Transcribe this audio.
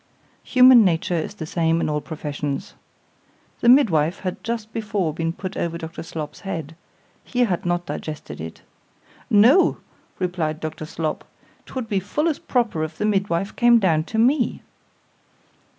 Human nature is the same in all professions. The midwife had just before been put over Dr. Slop's head—He had not digested it.—No, replied Dr. Slop, 'twould be full as proper if the midwife came down to me.